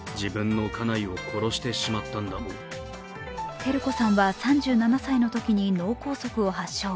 照子さんは３７歳のときに脳梗塞を発症。